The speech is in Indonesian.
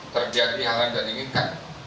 terjadi hal yang tidak diinginkan